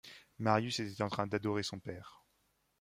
Marius était en train d’adorer son père.